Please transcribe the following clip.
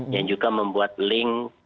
yang juga membuat link